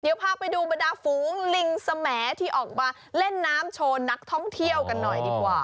เดี๋ยวพาไปดูบรรดาฝูงลิงสแหมดที่ออกมาเล่นน้ำโชว์นักท่องเที่ยวกันหน่อยดีกว่า